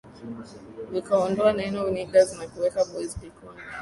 vikaondoa neno Niggaz na kuweka Boys kikundi